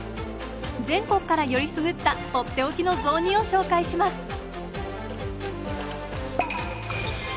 全国からよりすぐったとっておきの雑煮を紹介します。